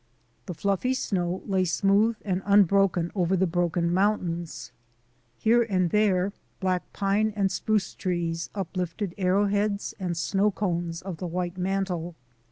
The fluffy snow lay smooth and unbroken over the broken mountains. Here and there black pine and spruce trees uplifted arrowheads and snow cones of the white mantle.